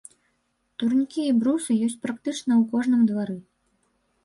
Турнікі і брусы ёсць практычна ў кожным двары.